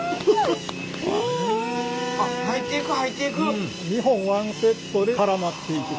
あっ入っていく入っていく。